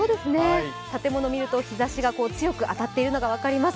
建物みると、日ざしが強く当たっているのが分かります。